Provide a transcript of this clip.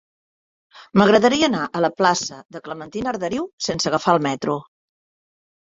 M'agradaria anar a la plaça de Clementina Arderiu sense agafar el metro.